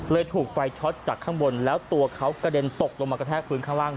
ถูกไฟช็อตจากข้างบนแล้วตัวเขากระเด็นตกลงมากระแทกพื้นข้างล่าง